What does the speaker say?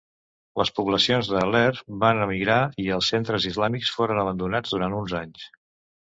Les poblacions de l'Aïr van emigrar i els centres islàmics foren abandonats durant uns anys.